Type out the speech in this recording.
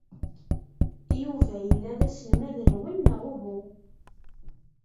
Yuba yella d aselmad-nwen, neɣ uhu?